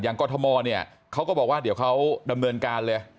กรทมเนี่ยเขาก็บอกว่าเดี๋ยวเขาดำเนินการเลย